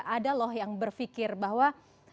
ada loh yang berpikir bahwa